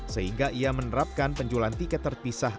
sehingga ia menerapkan penjualan tiket terpisah